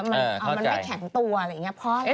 เออเข้าใจมันไม่แข็งตัวอะไรอย่างนี้